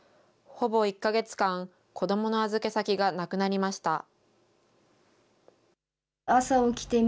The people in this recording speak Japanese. ほぼ１か月間、子どもの預け先がなくなりました。